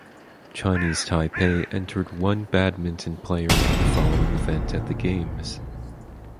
Chinese Taipei entered one badminton player in the following event at the Games.